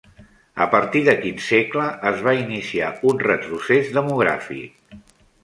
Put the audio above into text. A partir de quin segle es va iniciar un retrocés demogràfic?